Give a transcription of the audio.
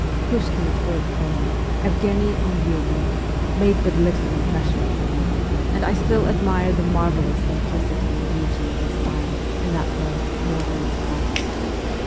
Pushkin's great poem, ' Evgheniy Onyeghin,' made but little impression upon me, and I still admire the marvellous simplicity and beauty of his style in that poem more than its contents.